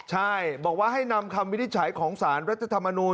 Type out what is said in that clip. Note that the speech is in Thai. ใช่บอกว่าให้นำคำวินิจฉัยของสารรัฐธรรมนูล